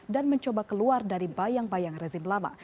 mencoba keluar dari bayang bayang rezim lama